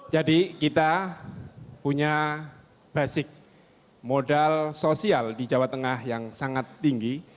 jadi kita punya basic modal sosial di jawa tengah yang sangat tinggi